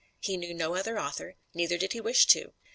He knew no other author, neither did he wish to.